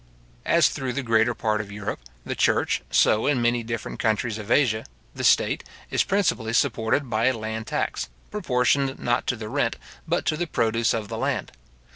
As through the greater part of Europe, the church, so in many different countries of Asia, the state, is principally supported by a land tax, proportioned not to the rent, but to the produce of the land.